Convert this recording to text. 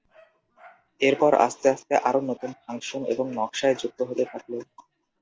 এরপর আস্তে আস্তে আরো নতুন ফাংশন এবং নকশায় যুক্ত হতে থাকল।